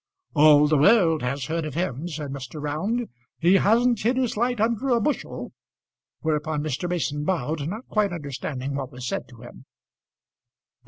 "All the world has heard of him," said Mr. Round. "He hasn't hid his light under a bushel." Whereupon Mr. Mason bowed, not quite understanding what was said to him.